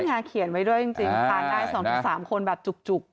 นี่ไงเขียนไว้ด้วยจริงทานได้๒๓คนแบบจุก